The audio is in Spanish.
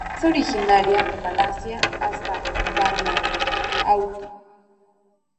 Es originaria de Malasia hasta Vanuatu.